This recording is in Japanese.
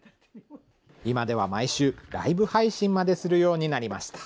今では毎週、ライブ配信までするようになりました。